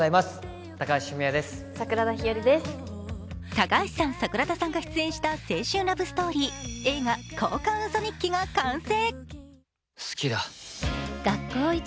高橋さん、桜田さんが出演した青春ラブストーリー映画「交換ウソ日記」が完成。